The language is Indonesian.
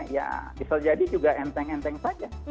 ya bisa jadi juga enteng enteng saja